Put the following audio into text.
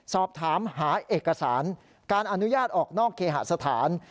สอบถามหาเอกสารการอนุญาตออกนอกเคหสถาน